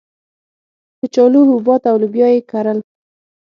کچالو، حبوبات او لوبیا یې کرل.